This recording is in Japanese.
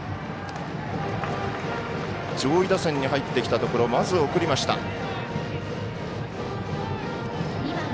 上位打線に入ってきたところまず送りました。